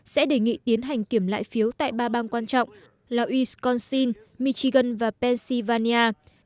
sẽ đề nghị tiến hành kiểm lại phiếu tại ba bang quan trọng là wisconsin michigan và pennsylvania